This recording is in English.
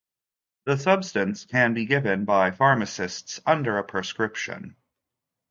The substance can be given by pharmacists under a prescription.